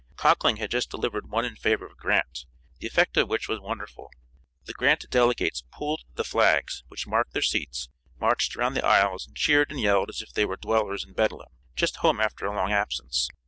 Conkling had just delivered one in favor of Grant, the effect of which was wonderful. The Grant delegates 'pooled' the flags, which marked their seats, marched around the aisles and cheered and yelled as if they were dwellers in Bedlam, just home after a long absence.